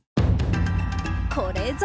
これぞ！